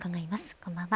こんばんは。